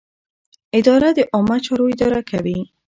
اداره د عامه چارو اداره کوي.